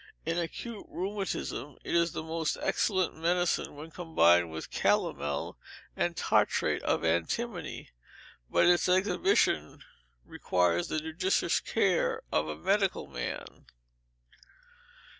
In acute rheumatism it is a most excellent medicine when combined with calomel and tartrate of antimony; but its exhibition requires the judicious care of a medical man.